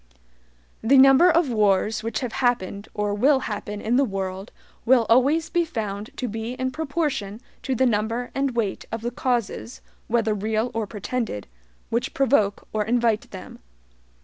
The number of wars which have happened or will happen in the world will always be found to be in proportion to the number and weight of the causes, whether REAL or PRETENDED, which PROVOKE or INVITE them.